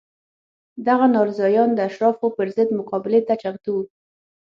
دغه ناراضیان د اشرافو پر ضد مقابلې ته چمتو وو